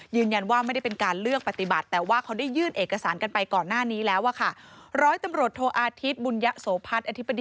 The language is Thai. ยืนยันว่าไม่ได้เป็นการเลือกปฏิบัติแต่ว่าเขาได้ยื่นเอกสารกันไปก่อนหน้านี้แล้วอะค่ะ